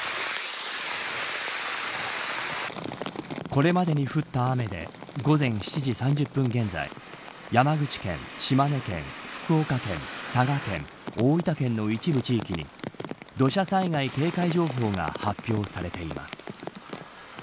これまでに降った雨で午前７時３０分現在山口県、島根県、福岡県、佐賀県大分県の一部地域に土砂災害警戒情報が発表されています。